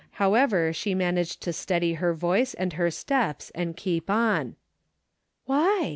How ever, she managed to steady her voice and her steps and keep on. " Why